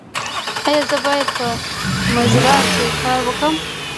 ایا زه باید په مزرعه کې کار وکړم؟